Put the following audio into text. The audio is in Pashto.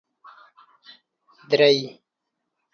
درې